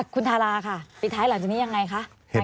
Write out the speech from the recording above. คุณทาราค่ะปิดท้ายหลังจากนี้ยังไงคะ